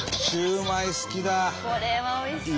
これはおいしい。